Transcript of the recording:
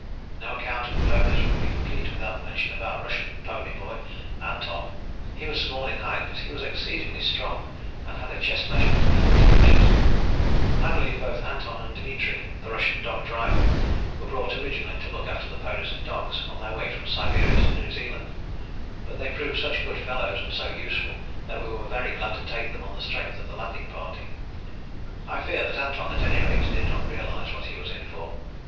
No account of the ponies would be complete without mention of our Russian pony boy, Anton. He was small in height, but he was exceedingly strong and had a chest measurement of 40 inches. [Illustration: EREBUS AND LANDS END] [Illustration: EREBUS BEHIND GREAT RAZORBACK] I believe both Anton and Dimitri, the Russian dog driver, were brought originally to look after the ponies and dogs on their way from Siberia to New Zealand. But they proved such good fellows and so useful that we were very glad to take them on the strength of the landing party. I fear that Anton, at any rate, did not realize what he was in for.